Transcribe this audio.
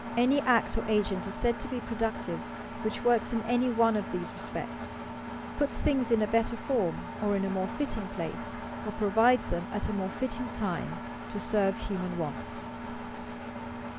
Any act or agent is said to be productive which works in any one of these respects: puts things in better form, or in a more fitting place, or provides them at a more fitting time to serve human wants.